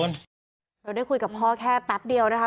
เราได้คุยกับพ่อแค่แป๊บเดียวนะคะ